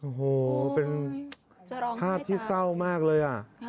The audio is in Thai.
โอ้โหเป็นภาพที่เศร้ามากเลยอ่ะ